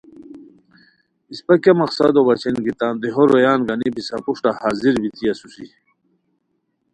اِسپہ کیہ مقصدو بچین کی تان دیہو رویان گانی پِسہ پروشٹہ حاضر بیتی اسوسی